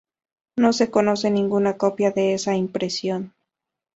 No se conoce ninguna copia de esa impresión.